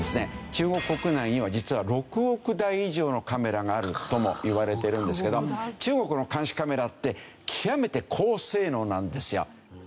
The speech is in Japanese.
中国国内には実は６億台以上のカメラがあるともいわれてるんですけど中国の監視カメラって極めて高性能なんですよ。